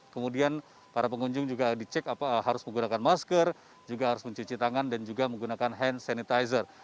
kemudian para pengunjung juga dicek harus menggunakan masker juga harus mencuci tangan dan juga menggunakan hand sanitizer